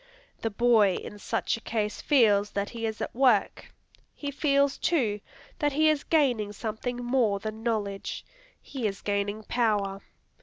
The boy in such a case feels that he is at work. He feels, too, that he is gaining something more than knowledge. He is gaining power.